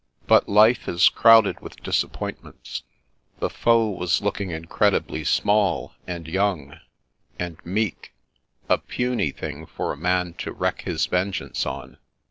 But life is crowded with disappointments. The foe was looking incredibly small, and young, and 1 1 8 The Princess Passes meek, a puny thing for a man to wreak his ven geance on.